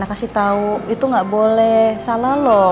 rena kasih tau itu gak boleh salah loh